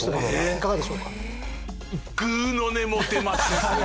いかがでしょうか？